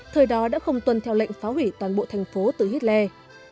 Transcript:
thời đó đã không tuân theo lệnh phá hủy toàn bộ thành phố từ hitler